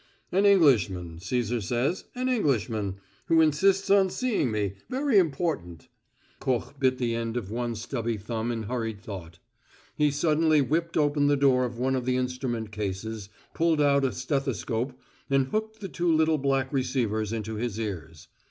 "An Englishman, Cæsar says an Englishman, who insists on seeing me very important." Koch bit the end of one stubby thumb in hurried thought. He suddenly whipped open the door of one of the instrument cases, pulled out a stethoscope, and hooked the two little black receivers into his ears.